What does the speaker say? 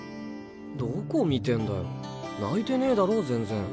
どこ見てんだよ泣いてねぇだろ全然。